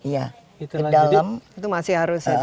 itu masih harus